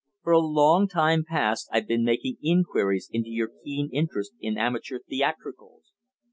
For a long time past I've been making inquiries into your keen interest in amateur theatricals.